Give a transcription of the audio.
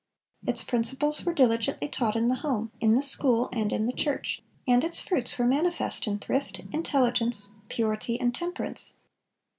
Its principles were diligently taught in the home, in the school, and in the church, and its fruits were manifest in thrift, intelligence, purity, and temperance.